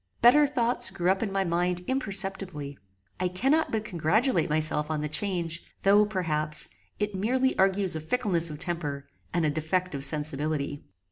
Better thoughts grew up in my mind imperceptibly. I cannot but congratulate myself on the change, though, perhaps, it merely argues a fickleness of temper, and a defect of sensibility.